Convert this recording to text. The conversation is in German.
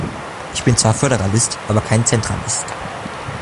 Ich bin zwar Föderalist, aber kein Zentralist.